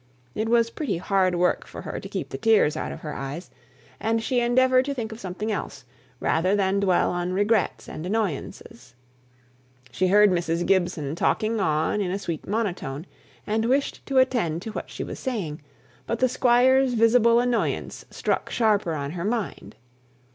It was pretty hard work for her to keep the tears out of her eyes; and she endeavoured to think of something else, rather than dwell on regrets and annoyances. She heard Mrs. Gibson talking on in a sweet monotone, and wished to attend to what she was saying, but the Squire's visible annoyance struck sharper on her mind.